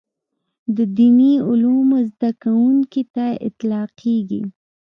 د دیني علومو زده کوونکي ته اطلاقېږي.